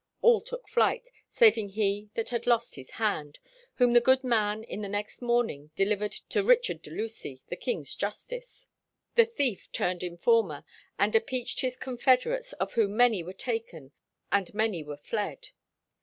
All took to flight "saving he that had lost his hand," whom the good man in the next morning delivered to Richard de Lucy, the king's justice. The thief turned informer, and "appeached his confederates, of whom many were taken and many were fled."